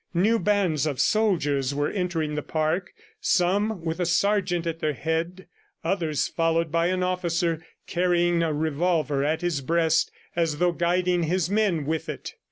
New bands of soldiers were entering the park some with a sergeant at their head, others followed by an officer carrying a revolver at his breast as though guiding his men with it.